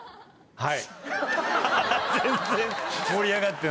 はい。